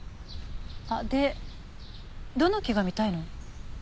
でどの木が見たいの？